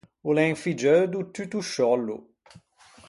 O l’é un figgeu do tutto sciòllo.